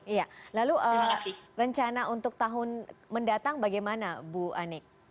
iya lalu rencana untuk tahun mendatang bagaimana bu anik